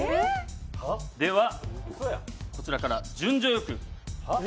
ではこちらから順序よく。